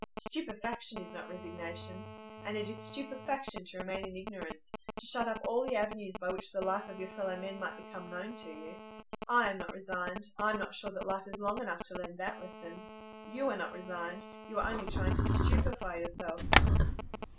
Stupefaction is not resignation; and it is stupefaction to remain in ignorance,—to shut up all the avenues by which the life of your fellow men might become known to you. I am not resigned; I am not sure that life is long enough to learn that lesson. You are not resigned; you are only trying to stupefy yourself."